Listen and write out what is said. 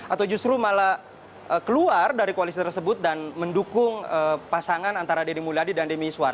atau justru malah keluar dari koalisi tersebut dan mendukung pasangan antara deddy mulyadi dan demi iswar